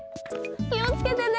きをつけてね。